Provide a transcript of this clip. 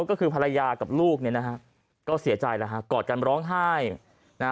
ก็คือภรรยากับลูกเนี่ยนะฮะก็เสียใจแล้วฮะกอดกันร้องไห้นะฮะ